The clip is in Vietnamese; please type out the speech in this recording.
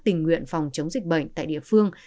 tình nguyện phòng chống dịch bệnh tại địa phương